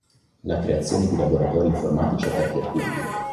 La creazione di laboratori informatici aperti al pubblico.